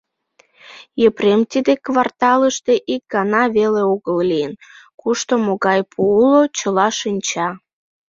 Епрем тиде кварталыште ик гана веле огыл лийын, кушто могай пу уло — чыла шинча.